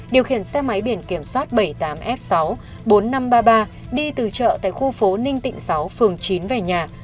điều khiển xe máy biển kiểm soát bảy mươi tám f sáu bốn nghìn năm trăm ba mươi ba đi từ chợ tại khu phố ninh tịnh sáu phường chín về nhà